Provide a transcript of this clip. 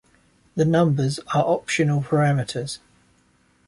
The numbers are optional parameters.